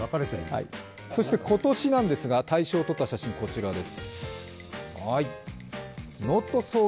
そして今年なんですが、大賞を取った写真、こちらです。